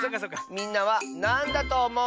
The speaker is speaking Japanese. みんなはなんだとおもう？